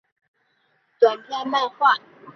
原作为大友克洋的同名短篇漫画。